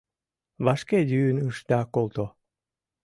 Вашке йӱын ышда колто: